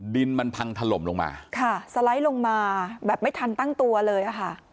ดินมันพังถล่มลงมาค่ะสไลด์ลงมาแบบไม่ทันตั้งตัวเลยอะค่ะ